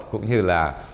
cũng như là